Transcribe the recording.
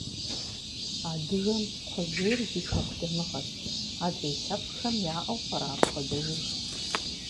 Адыгэм кхъужьейр ди хэку дамыгъэщ, адрей лъэпкъхэм яӀэу пӀэрэ апхуэдэ жыг?